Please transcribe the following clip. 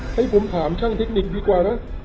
ให้ผมถามช่างเทคนิคดีกว่านะ